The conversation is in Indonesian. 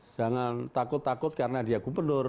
jangan takut takut karena dia gubernur